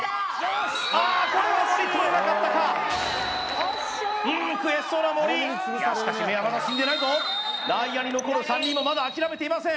ああこれは惜しい取れなかったか悔しそうな森いやしかし目はまだ死んでないぞ内野に残る３人もまだ諦めていません